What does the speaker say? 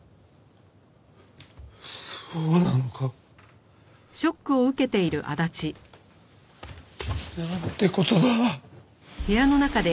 そうなのか。なんて事だ。